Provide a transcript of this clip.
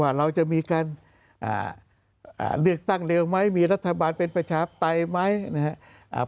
เราจะมีการเลือกตั้งเร็วไหมมีรัฐบาลเป็นประชาปไตยไหมนะครับ